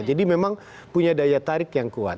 jadi memang punya daya tarik yang kuat